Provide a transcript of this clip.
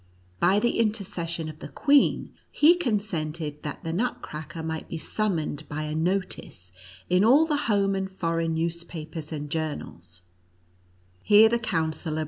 By the intercession of the queen, he consented that the nutcracker might be summoned by a notice in all the home and foreign newspapers and journals.